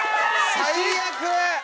最悪！